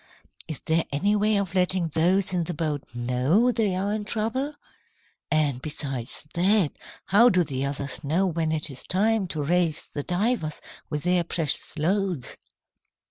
"Is there any way of letting those in the boat know they are in trouble? And, besides that, how do the others know when it is time to raise the divers with their precious loads?"